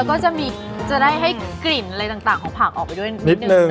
แล้วก็จะได้ให้กลิ่นอะไรต่างของผักออกไปด้วยนิดนึง